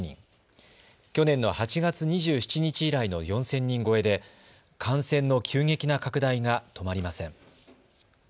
去年の８月２７日以来の４０００人超えで感染の急激な拡大が止まりません。